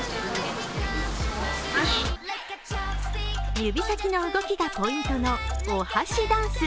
指先の動きがポイントのお箸ダンス。